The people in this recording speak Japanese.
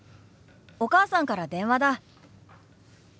お母さんから電話だ。